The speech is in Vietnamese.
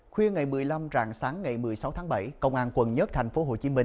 khuya ngày một mươi năm rạng sáng ngày một mươi sáu tháng bảy công an quần nhất tp hcm